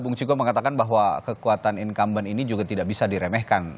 bung ciko mengatakan bahwa kekuatan incumbent ini juga tidak bisa diremehkan